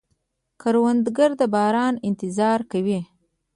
کروندګر د باران انتظار کوي